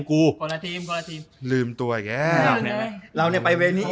กูลืมตัวอย่างนี้